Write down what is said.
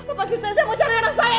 apa kasih saya mau cari orang saya